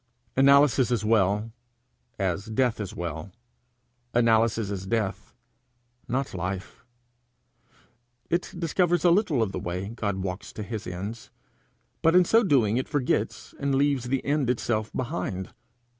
Analysis is well, as death is well; analysis is death, not life. It discovers a little of the way God walks to his ends, but in so doing it forgets and leaves the end itself behind.